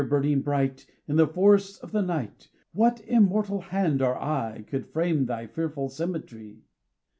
burning bright, In the forests of the night, What immortal hand or eye Could frame thy fearful symmetry?